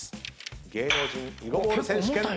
芸能人囲碁ボール選手権第１打。